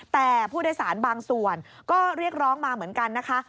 แต่ผู้โดยสารบางส่วนก็เรียกร้องมาเหมือนกันนะคะ